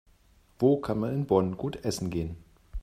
Wo kann man in Bonn gut essen gehen?